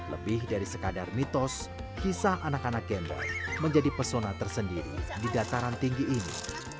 lebih dari sekadar mitos kisah anak anak gendra menjadi pesona tersendiri di dataran tinggi ini